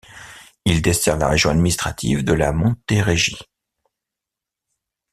Il dessert la région administrative de la Montérégie.